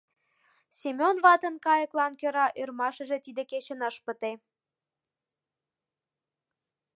Семён ватын кайыклан кӧра ӧрмашыже тиде кечын ыш пыте.